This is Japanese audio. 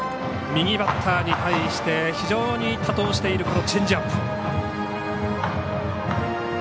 右バッターに対して非常に多投しているチェンジアップ。